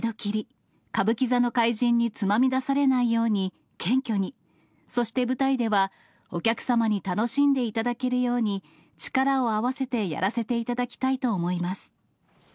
人生一度きり、歌舞伎座の怪人につまみ出されないように、謙虚に、そして舞台ではお客様に楽しんでいただけるように、力を合わせてやらせていただきたいと思います。